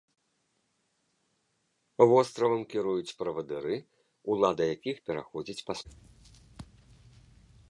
Востравам кіруюць правадыры, улада якіх пераходзіць па спадчыне.